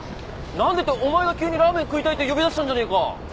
何でってお前が急にラーメン食いたいって呼び出したんじゃねえか。